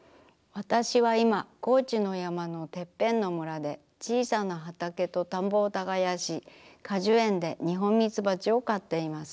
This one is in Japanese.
わたしはいま高知の山のてっぺんの村でちいさな畑と田んぼを耕し果樹園で日本みつばちを飼っています。